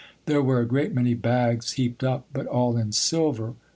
There were a great many bags heaped up ; but all in silver.